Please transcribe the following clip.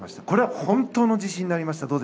これは本当の自信になりました？